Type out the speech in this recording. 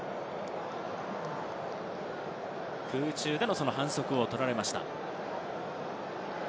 空中での反則を取られました。